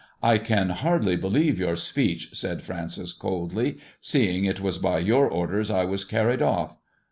" I can hardly believe your speech," said Francis coldly, Seeing it wae by your orders I was carried off."